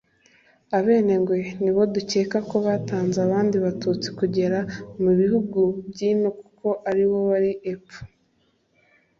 abenengwe nibo dukeka ko batanze abandi batutsi kugera mu bihugu by’ino kuko aribo bari epfo